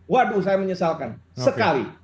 waduh saya menyesalkan sekali